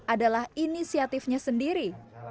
adalah inisiatifnya sendiri